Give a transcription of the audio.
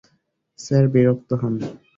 Sir বিরক্ত হন।